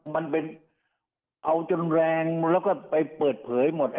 มันเป็นเอาจนแรงแล้วก็ไปเปิดเผยหมด